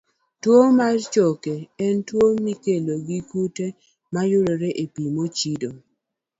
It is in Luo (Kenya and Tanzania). Tuwo mar choke en tuwo mikelo gi kute mayudore e pi mochido.